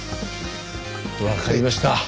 わかりました。